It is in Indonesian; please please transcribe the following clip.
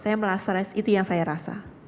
saya merasa itu yang saya rasa